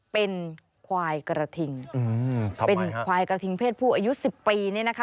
เป็นควายกระทิงเพศผู้อายุ๑๐ปีนี้นะคะ